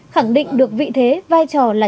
khẳng định được vị thế vai trò là